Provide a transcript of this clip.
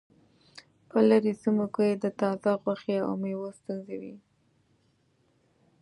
په لرې سیمو کې د تازه غوښې او میوو ستونزه وي